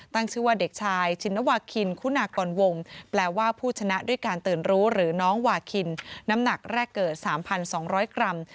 ตั้งชื่อว่าเด็กชายชินวาคินคุณากรวงแปลว่าผู้ชนะด้วยการตื่นรู้หรือน้องวาคินน้ำหนักแรกเกิด๓๒๐๐กรัม